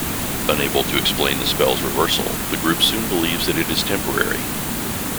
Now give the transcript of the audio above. Unable to explain the spell's reversal, the group soon believes that it is temporary.